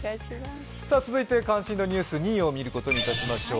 続いて「関心度ニュース」２位を見ることにいたしましょう。